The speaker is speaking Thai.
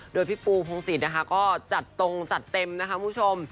โดยพี่ปูพงศิษย์นะคะก็จัดตรงจัดเต็มนะคะคุณผู้ชม